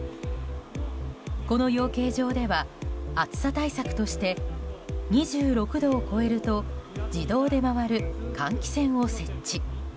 この養鶏場では暑さ対策として２６度を超えると自動で回る換気扇を設置。